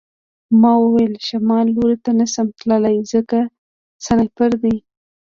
ما وویل شمال لور ته نشم تللی ځکه سنایپر دی